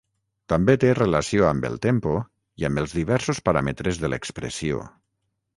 També té relació amb el tempo i amb els diversos paràmetres de l'expressió.